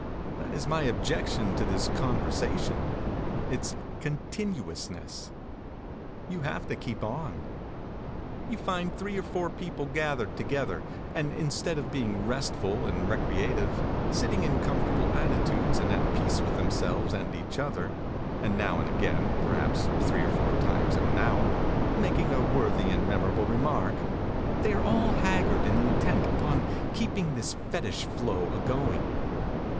That is my objection to this conversation: its continuousness. You have to keep on. You find three or four people gathered together, and instead of being restful and recreative, sitting in comfortable attitudes and at peace with themselves and each other, and now and again, perhaps three or four times in an hour, making a worthy and memorable remark, they are all haggard and intent upon keeping this fetish flow agoing.